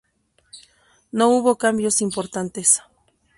No hubo cambios importantes.